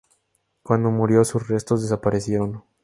Cuando murió, sus restos desaparecieron.